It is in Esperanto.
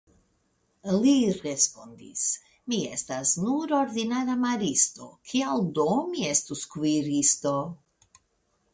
li respondis, mi estas nur ordinara maristo, kial do mi estus kuiristo?